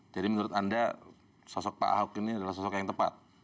jadi menurut anda sosok pak ahok ini adalah sosok yang tepat